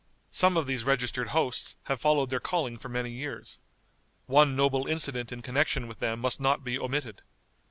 Some of these registered hosts have followed their calling for many years. One noble incident in connection with them must not be omitted.